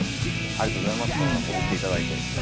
ありがとうございます。